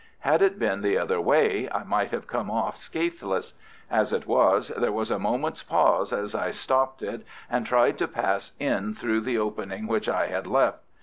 Had it been the other way, I might have come off scathless. As it was, there was a moment's pause as I stopped it and tried to pass in through the opening which I had left.